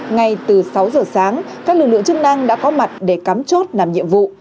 ngay từ sáu giờ sáng các lực lượng chức năng đã có mặt để cắm chốt làm nhiệm vụ